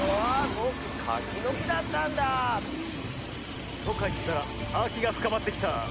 ぼくカキのきだったんだあ。とかいってたらあきがふかまってきた。